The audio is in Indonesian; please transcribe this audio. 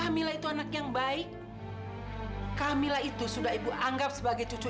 mila dia itu siapa sih